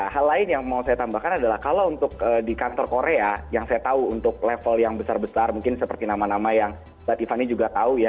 hal lain yang mau saya tambahkan adalah kalau untuk di kantor korea yang saya tahu untuk level yang besar besar mungkin seperti nama nama yang mbak tiffany juga tahu ya